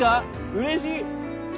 うれしい！